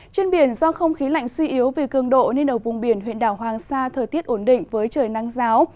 trên biển do không khí lạnh suy yếu về cường độ nên ở vùng biển huyện đảo hoàng sa thời tiết ổn định với trời nắng giáo